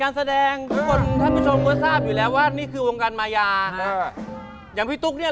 คือเสียงกระสุงไว้หน่อยเสียงสูงมันเลยฟังดังกว่าจะเพี้ยน